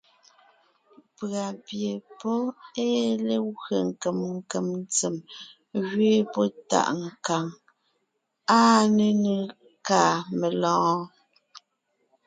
Pʉ̀a pie pɔ́ ée legwé nkem nkem tsem ngẅeen pɔ́ tàʼ nkàŋ. Áa nénʉ ka melɔ̀ɔn?